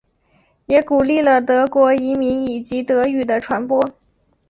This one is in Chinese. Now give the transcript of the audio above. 也鼓励了德国移民以及德语的传播。